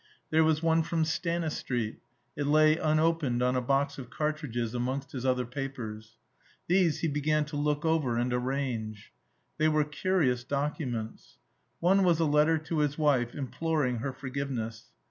There was one from Stanistreet; it lay unopened on a box of cartridges amongst his other papers. These he began to look over and arrange. They were curious documents. One was a letter to his wife, imploring her forgiveness.